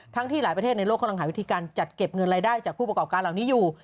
ที่หลายประเทศในโลกกำลังหาวิธีการจัดเก็บเงินรายได้จากผู้ประกอบการเหล่านี้อยู่